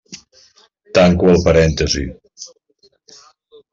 Tanco el parèntesi.